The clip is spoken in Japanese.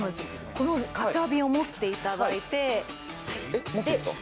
このガチャビンを持っていただいて持っていいんですか？